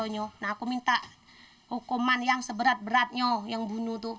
nah aku minta hukuman yang seberat beratnya yang bunuh tuh